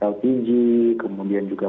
lpg kemudian juga